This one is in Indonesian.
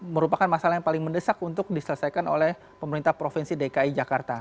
merupakan masalah yang paling mendesak untuk diselesaikan oleh pemerintah provinsi dki jakarta